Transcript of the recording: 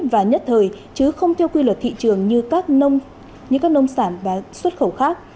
và nhất thời chứ không theo quy luật thị trường như các nông sản và xuất khẩu khác